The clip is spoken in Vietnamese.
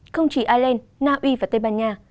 không chỉ ireland naui và tây ban nha